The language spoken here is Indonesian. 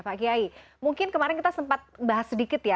pak kiai mungkin kemarin kita sempat bahas sedikit ya